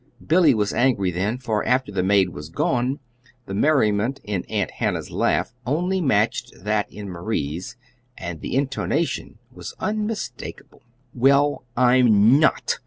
Billy was angry then, for after the maid was gone, the merriment in Aunt Hannah's laugh only matched that in Marie's and the intonation was unmistakable. "Well, I'm not!"